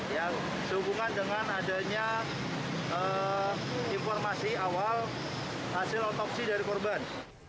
yang sehubungan dengan adanya informasi awal hasil otopsi dari korban